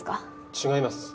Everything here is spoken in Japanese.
違います